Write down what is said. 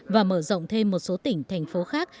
và mở rộng thêm một số tỉnh thành phố khác